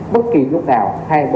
bất kỳ lúc nào